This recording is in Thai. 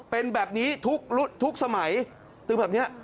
เป็นแบบนี้ทุกสมัยตึงแบบนี้